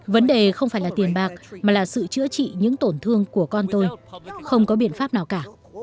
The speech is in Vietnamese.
vấn đề không phải là tiền bạc mà là sự chữa trị những tổn thương của con tôi không có biện pháp nào cả